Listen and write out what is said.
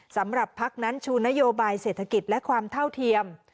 สำหรับพักนั้นชูนโยบายเศรษฐกิจและความเท่าเทียม